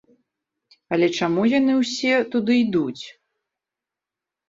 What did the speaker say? Але чаму яны ўсе туды ідуць?